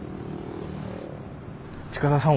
近田さん